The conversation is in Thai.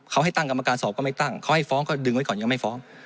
เขาให้ตั้งกรรมการสอบก็ไม่ตั้งเขาให้ฟ้องก็ดึงไว้ก่อนยังไม่ฟ้อง